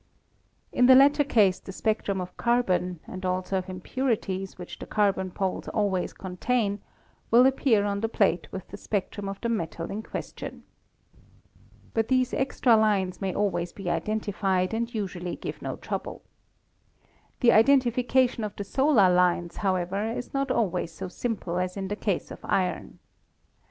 In the latter case the spectrum of carbon, and also of impurities which the carbon poles al ways contain, will appear on the plate with the spectrum of the metal in question. But these extra lines may al ways be identified, and usually give no trouble. The iden tification of the solar lines, however, is not always so sim ple as in the case of iron.